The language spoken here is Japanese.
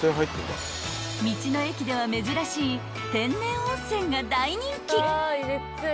［道の駅では珍しい天然温泉が大人気］